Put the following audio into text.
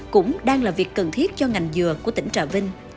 cũng đang là việc cần thiết cho ngành dừa của tỉnh trà vinh